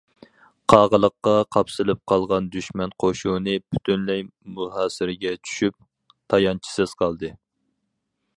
قاغىلىققا قاپسىلىپ قالغان دۈشمەن قوشۇنى پۈتۈنلەي مۇھاسىرىگە چۈشۈپ، تايانچىسىز قالدى.